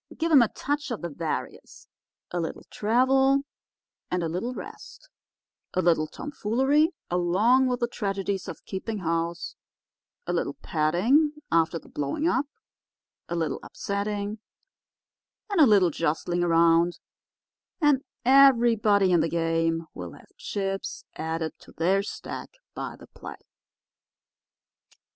Give 'em a touch of the various—a little travel and a little rest, a little tomfoolery along with the tragedies of keeping house, a little petting after the blowing up, a little upsetting and a little jostling around—and everybody in the game will have chips added to their stack by the play."